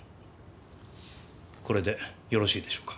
これでよろしいでしょうか？